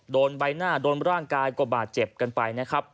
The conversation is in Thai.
โดนใบหน้าโดนร่างกายกว่าบาดเจ็บกันไป